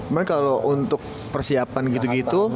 makanya kalo untuk persiapan gitu gitu